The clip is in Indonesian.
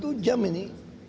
sudah potong satu jam ini